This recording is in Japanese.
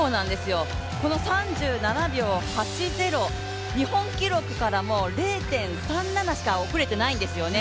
この３７秒８０、日本記録から０．３７しか遅れてないんですよね。